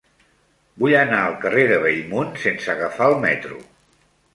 Vull anar al carrer de Bellmunt sense agafar el metro.